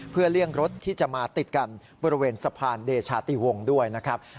เพื่อเลี่ยงรถที่จะมาติดกันบริเวณสะพานเดชาติวงศ์ด้วยนะครับ